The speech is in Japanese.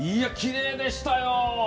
きれいでしたよ。